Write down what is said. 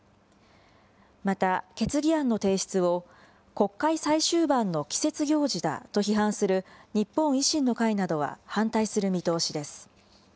また決議案の提出を、国会最終盤の季節行事だと批判する日本維新の会などは反対する見通しです。